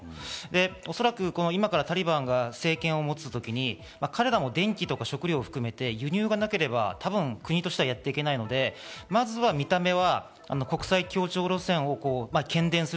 おそらく今からタリバンが政権を持つ時に彼らも電気とか食料を含めて輸入がなければ多分、国としてやっていけないので、まず見た目や国際協調路線を喧伝する。